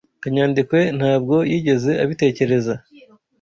Kanyandekwe ntabwo yigeze abitekereza.